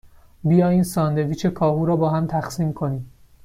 بیا این ساندویچ کاهو را باهم تقسیم کنیم.